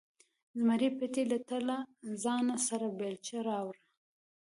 زمري پټي ته له ځانه سره بیلچه راوړه.